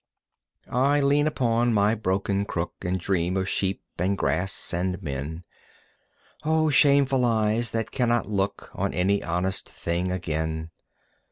I lean upon my broken crook And dream of sheep and grass and men O shameful eyes that cannot look On any honest thing again!